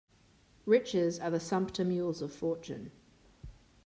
Riches are the sumpter mules of fortune.